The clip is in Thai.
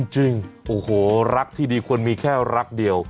จริงโอ้โหรักที่ดีควรมีแค่รักเดียว